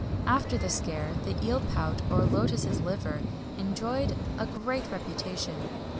After the scare, the eel pout or lotas' liver enjoyed a great reputation.